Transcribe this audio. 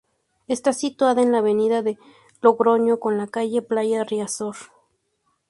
Está situada en la avenida de Logroño con la calle Playa de Riazor.